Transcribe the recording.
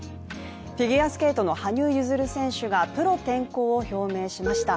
フィギュアスケートの羽生結弦選手がプロ転向を表明しました。